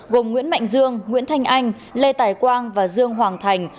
gồm nguyễn mạnh dương nguyễn thanh anh lê tài quang và dương hoàng thành